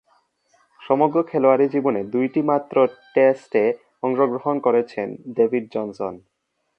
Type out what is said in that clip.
সমগ্র খেলোয়াড়ী জীবনে দুইটিমাত্র টেস্টে অংশগ্রহণ করেছেন ডেভিড জনসন।